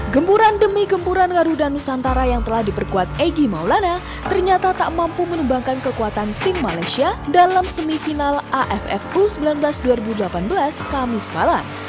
gempuran demi gempuran garuda nusantara yang telah diperkuat egy maulana ternyata tak mampu menumbangkan kekuatan tim malaysia dalam semifinal aff u sembilan belas dua ribu delapan belas kamis malam